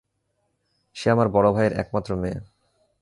সে আমার বড় ভাইয়ের একমাত্র মেয়ে।